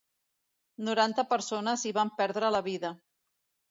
Noranta persones hi van perdre la vida.